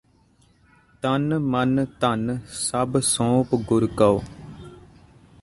ਤਨੁ ਮਨੁ ਧਨੁ ਸਭੁ ਸਉਪਿ ਗੁਰ ਕਉ